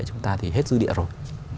chúng ta thì hết dư địa rồi